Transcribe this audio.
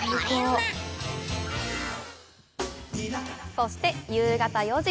そして、夕方４時。